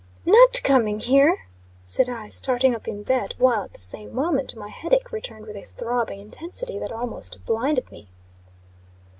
"Not coming here!" said I, starting up in bed, while, at the same moment, my headache returned with a throbbing intensity that almost blinded me.